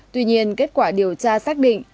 tuy nhiên kết quả điều tra xác định